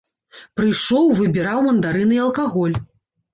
Прыйшоў, выбіраў мандарыны і алкаголь.